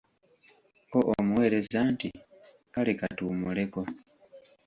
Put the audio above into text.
Ko omuweereza nti:"kale katuwummuleko"